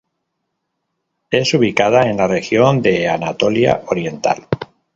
Es ubicada en la Región de Anatolia Oriental.